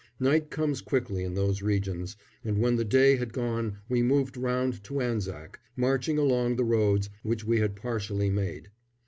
Night comes quickly in those regions, and when the day had gone we moved round to Anzac, marching along the roads which we had partially made.